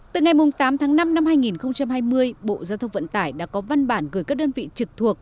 từ ngày tám tháng năm năm hai nghìn hai mươi bộ giao thông vận tải đã có văn bản gửi các đơn vị trực thuộc